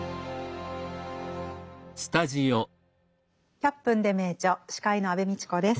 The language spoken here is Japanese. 「１００分ｄｅ名著」司会の安部みちこです。